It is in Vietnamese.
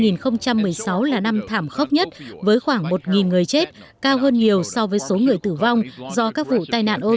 riêng tại new york năm hai nghìn một mươi sáu là năm thảm khốc nhất với khoảng một người chết cao hơn nhiều so với số người tử vong do các vụ tai nạn ô tô và án mạng cộng lại